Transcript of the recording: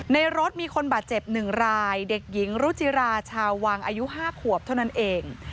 ในรถมีคนบาดเจ็บ๑รายเด็กหญิงรุจิราชาววังอายุ๕ขวบเท่านั้นเอง